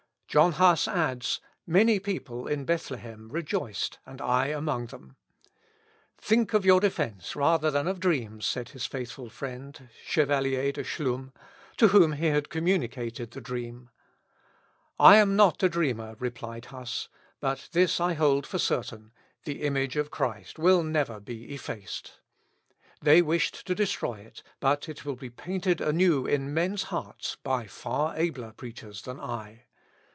John Huss adds, "Many people in Bethlehem rejoiced, and I among them." "Think of your defence, rather than of dreams," said his faithful Friend, Chevalier de Chlum, to whom he had communicated the dream. "I am not a dreamer," replied Huss; "but this I hold for certain the image of Christ will never be effaced. They wished to destroy it, but it will be painted anew in men's hearts by far abler preachers than I.